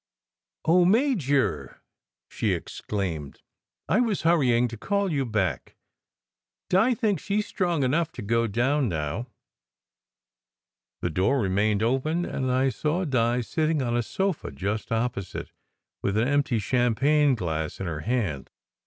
"Oh, Major!" she exclaimed. "I was hurrying to call you back. Di thinks she s strong enough to go down now." The door remained open, and I saw Di sitting on a sofa just opposite, with an empty champagne glass in her hand.